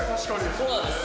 そうなんです。